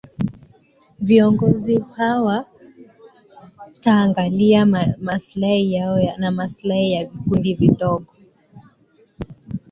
viongozi hawata angalia maslahi yao na maslahi ya vikundi vidogo